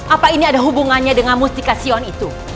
apa ini ada hubungannya dengan mustika sion itu